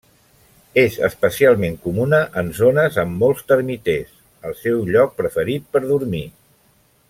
És especialment comuna en zones amb molts termiters, el seu lloc preferit per dormir.